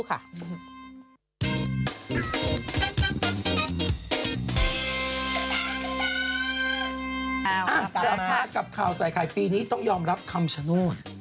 กลับมาสถานีกับคราวสายขายปีนี้ต้องยอมรับคำประโยชน์